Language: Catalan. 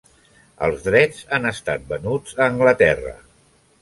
Els drets han estat venuts a Anglaterra.